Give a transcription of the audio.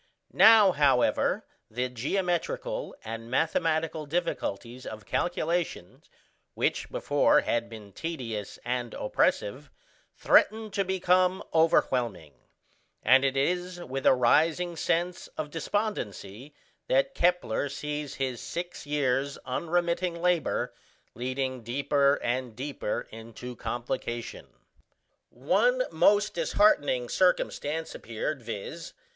Now, however, the geometrical and mathematical difficulties of calculation, which before had been tedious and oppressive, threatened to become overwhelming; and it is with a rising sense of despondency that Kepler sees his six years' unremitting labour leading deeper and deeper into complication. One most disheartening circumstance appeared, viz.